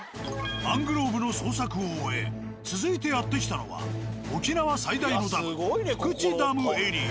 マングローブの捜索を終え続いてやって来たのは沖縄最大のダム福地ダムエリア。